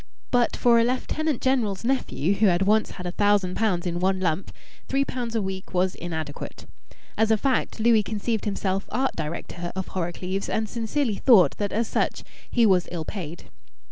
But for a Lieutenant General's nephew, who had once had a thousand pounds in one lump, three pounds a week was inadequate. As a fact, Louis conceived himself "Art Director" of Horrocleave's, and sincerely thought that as such he was ill paid.